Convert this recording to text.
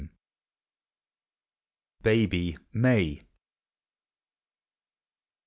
BABY MAY.